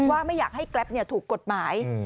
ว่าไม่อยากให้แกรปถูกกฎหมาย